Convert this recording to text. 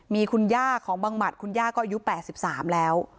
มีคุณย่าของบังหมัดคุณย่าก็อายุ๘๓แล้ว